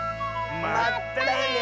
まったね！